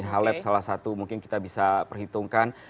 halep salah satu mungkin kita bisa perhitungkan